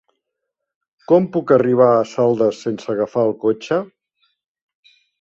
Com puc arribar a Saldes sense agafar el cotxe?